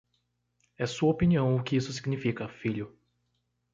É sua opinião o que isso significa, filho.